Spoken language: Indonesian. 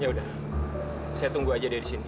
yaudah saya tunggu aja dia di sini